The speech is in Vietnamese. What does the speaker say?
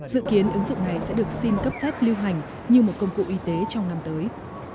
dự kiến ứng dụng này sẽ được xin cấp phép lưu hành như một công cụ y tế trong năm tới